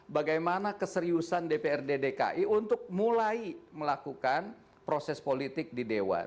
bagaimana keseriusan dprd dki untuk mulai melakukan proses politik di dewan